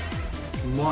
うまい。